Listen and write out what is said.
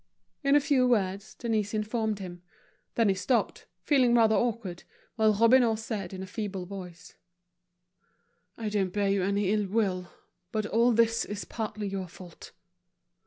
In a few words, Denise informed him. Then he stopped, feeling rather awkward, while Robineau said, in a feeble voice: "I don't bear you any ill will, but all this is partly your fault."